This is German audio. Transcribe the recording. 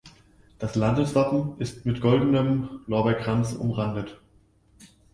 Das Landeswappen ist mit goldenem Lorbeerkranz umrandet.